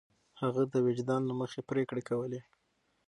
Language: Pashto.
هغه د وجدان له مخې پرېکړې کولې.